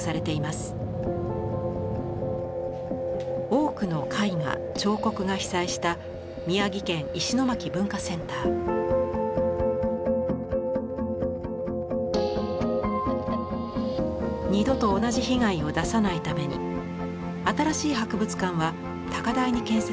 多くの絵画彫刻が二度と同じ被害を出さないために新しい博物館は高台に建設されました。